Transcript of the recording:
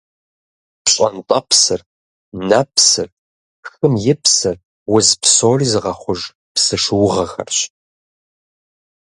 Пщӏэнтӏэпсыр, нэпсыр, хым и псыр – уз псори зыгъэхъуж псы шуугъэхэрщ.